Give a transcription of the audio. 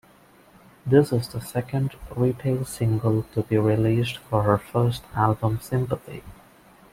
This is the second retail single to be released for her first album sympathy.